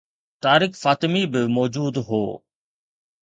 طارق فاطمي به موجود هو.